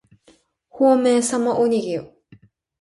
ほうめいさまおにげよ。